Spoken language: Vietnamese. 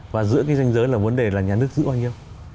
và giữa cái danh giới là vấn đề là nhà nước giữ bao nhiêu